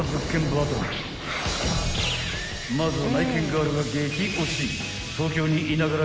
［まずは内見ガールが激推し］